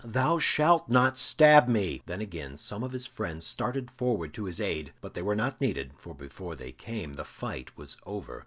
"Thou shalt not stab me!" Then again some of his friends started forward to his aid, but they were not needed, for before they came, the fight was over.